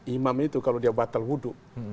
imam itu kalau dia batal wudhu